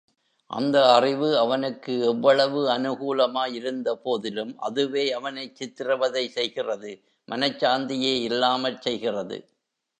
அந்த அறிவு அவனுக்கு எவ்வளவு அநுகூலமா யிருந்தபோதிலும், அதுவே அவனைச் சித்திரவதை செய்கிறது மனச்சாந்தியே இல்லாமற் செய்கிறது.